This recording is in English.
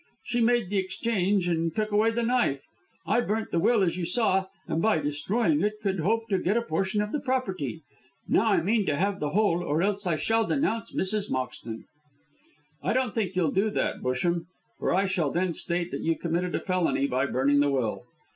She made the exchange and took away the knife. I burnt the will as you saw, and by destroying it could hope to get a portion of the property. Now I mean to have the whole, or else I shall denounce Mrs. Moxton." "I don't think you'll do that, Busham, for I shall then state that you committed a felony by burning the will.